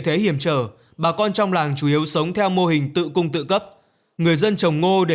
thế hiểm trở bà con trong làng chủ yếu sống theo mô hình tự cung tự cấp người dân trồng ngô để